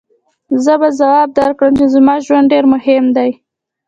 زه به ځواب درکړم چې زما ژوند ډېر مهم دی.